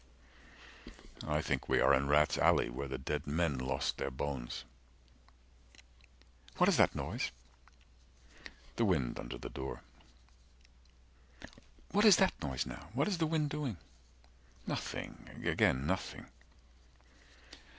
I think we are in rats' alley 115 Where the dead men lost their bones. "What is that noise?" The wind under the door. "What is that noise now? What is the wind doing?" Nothing again nothing.